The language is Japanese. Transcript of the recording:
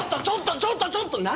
ちょっとちょっとちょっと！